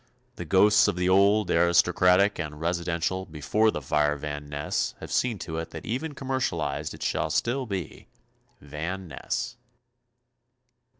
The ghosts of the old, aristocratic and residential before the fire Van Ness have seen to it that even commercialized it shall still be Van Ness.